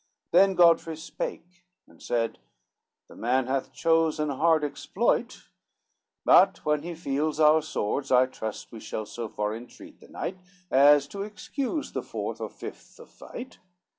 Then Godfrey spake, and said, "The man hath chose An hard exploit, but when he feels our swords, I trust we shall so far entreat the knight, As to excuse the fourth or fifth of fight.